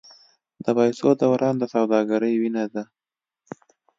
د پیسو دوران د سوداګرۍ وینه ده.